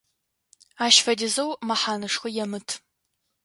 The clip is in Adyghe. Ащ фэдизэу мэхьанэшхо емыт.